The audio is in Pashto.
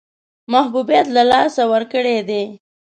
محبوبیت له لاسه ورکړی دی.